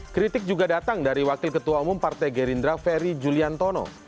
kritik juga datang dari wakil ketua umum partai gerindra ferry juliantono